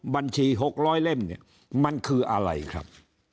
๖๐๐บัญชี๖๐๐เล่มมันคืออะไรครับ